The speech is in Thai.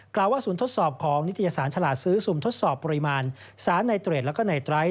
กล่าวว่าส่วนทดสอบของนิตยสารฉลาดซื้อส่วนทดสอบปริมาณสารไนเตรดและไนไตรส์